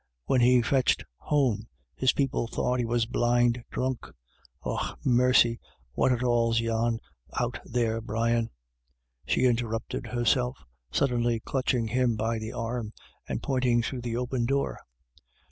When he fetched home, his people thought he was blind drunk — Och mercy, what at all's yon out there, Brian ?" she interrupted herself, suddenly clutching him by the arm, and pointing through the open door.